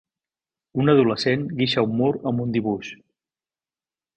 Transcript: Un adolescent guixa un mur amb un dibuix.